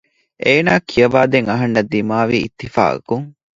އޭނާއަށް ކިޔަވާ ދޭން އަހަންނަށް ދިމާވީ އިއްތިފާގަކުން